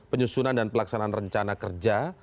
penyusunan dan pelaksanaan rencana kerja